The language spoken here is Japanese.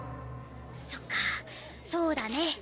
そっかそうだね。